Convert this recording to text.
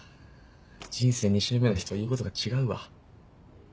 人生２周目の人は言うことが違うわ。